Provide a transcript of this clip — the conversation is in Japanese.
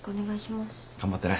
頑張ってね。